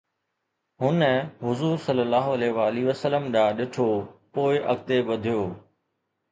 هن حضور ﷺ ڏانهن ڏٺو، پوءِ اڳتي وڌيو